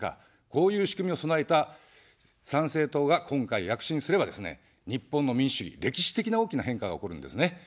こういう仕組みを備えた参政党が今回、躍進すればですね、日本の民主主義に歴史的な大きな変化が起こるんですね。